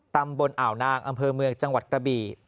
ตำบลอ่าวนางอำเภอเมืองจังหวัดกระบี่